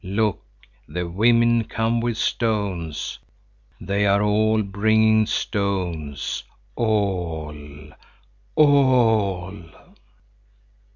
Look, the women come with stones! They are all bringing stones, all, all!